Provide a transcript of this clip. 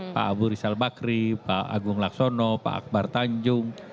pak abu rizal bakri pak agung laksono pak akbar tanjung